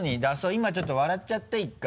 今ちょっと笑っちゃって１回。